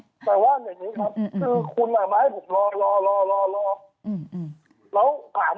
แต่ว่าอย่างนี้ครับคือคุณมาให้ผมรอรอ